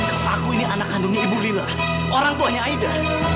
karena aku ini anak kandung ibu lila orang tuanya aida